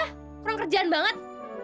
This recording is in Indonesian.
kurang kerjaan banget